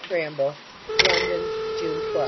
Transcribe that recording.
BRAMBLE LONDON, June 12.